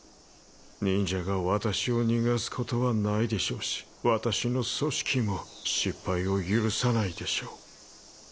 忍者が私を逃がすことはないでしょうし私の組織も失敗を許さないでしょう